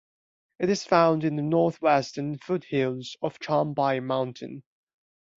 It is found in the northwestern foothills of Changbai Mountain.